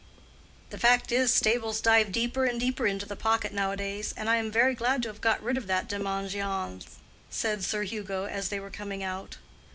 "The fact is, stables dive deeper and deeper into the pocket nowadays, and I am very glad to have got rid of that démangeaison," said Sir Hugo, as they were coming out.